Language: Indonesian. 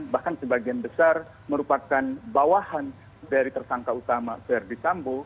bahkan sebagian besar merupakan bawahan dari tersangka utama verdi sambo